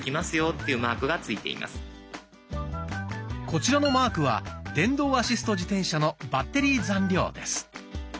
こちらのマークは電動アシスト自転車のバッテリー残量です。